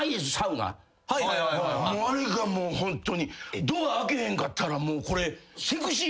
もうあれがもうホントにドア開けへんかったらもうこれ。